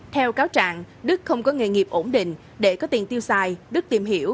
theo cáo trạng đức không có nghề nghiệp ổn định để có tiền tiêu xài đức tìm hiểu